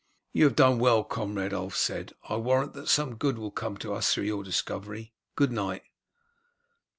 "You have done well, comrade," Ulf said. "I warrant that some good will come to us through your discovery. Good night."